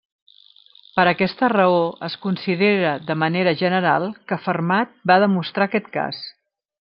Per aquesta raó, es considera de manera general que Fermat va demostrar aquest cas.